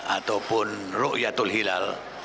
ataupun ru'yatul hilal